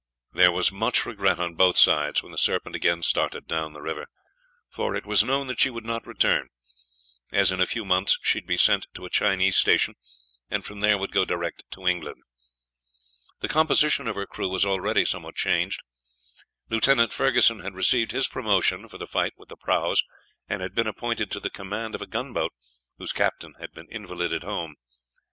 There was much regret on both sides when the Serpent again started down the river; for it was known that she would not return, as in a few months she would be sent to a Chinese station, and from there would go direct to England. The composition of her crew was already somewhat changed. Lieutenant Ferguson had received his promotion for the fight with the prahus, and had been appointed to the command of a gunboat whose captain had been invalided home.